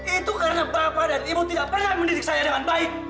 itu karena bapak dan ibu tidak pernah mendidik saya dengan baik